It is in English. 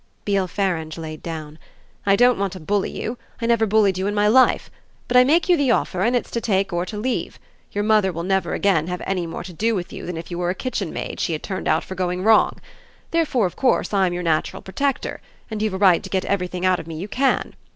Beale Farange laid down. "I don't want to bully you I never bullied you in my life; but I make you the offer, and it's to take or to leave. Your mother will never again have any more to do with you than if you were a kitchenmaid she had turned out for going wrong. Therefore of course I'm your natural protector and you've a right to get everything out of me you can.